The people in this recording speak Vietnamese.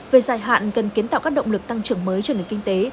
về dài hạn cần kiến tạo các động lực tăng trưởng mới cho nền kinh tế